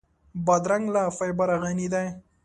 بادرنګ له فایبره غني دی.